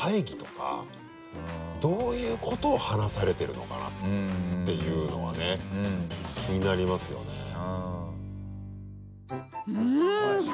どういうことを話されているのかなっていうのは気になりますよね。